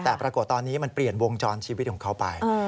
แต่ปรากฏตอนนี้มันเปลี่ยนวงจรชีวิตของเขาไป